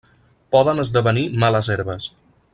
Poden esdevenir males herbes.